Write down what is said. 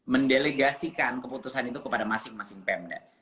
mendelegasikan keputusan itu kepada masing masing pemda